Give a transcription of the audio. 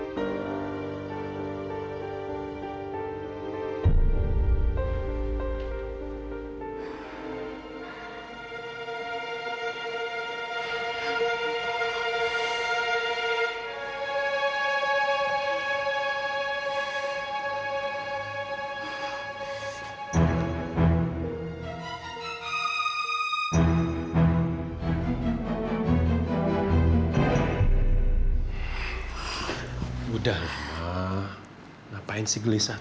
mama apa sih